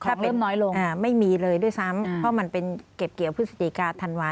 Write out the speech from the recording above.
ถ้าเป็นน้อยลงไม่มีเลยด้วยซ้ำเพราะมันเป็นเก็บเกี่ยวพฤศจิกาธันวาค